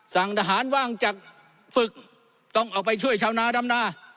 สั่งทหารว่างจากฝึกต้องเอาไปช่วยชาวนาดำนา